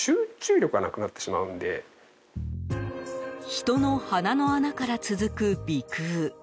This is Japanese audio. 人の鼻の穴から続く鼻腔。